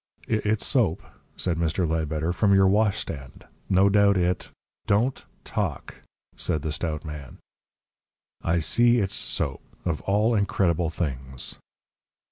"It's soap," said Mr. Ledbetter. "From your washstand. No doubt it " "Don't talk," said the stout man. "I see it's soap. Of all incredible things."